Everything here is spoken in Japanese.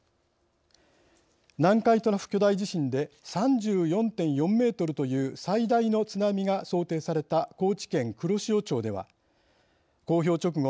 南海トラフ巨大地震で３４．４メートルという最大の津波が想定された高知県黒潮町では公表直後